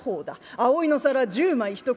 葵の皿１０枚一組。